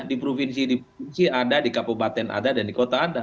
di provinsi di provinsi ada di kabupaten ada dan di kota ada